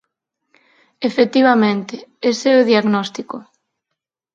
"Efectivamente, ese é o diagnóstico".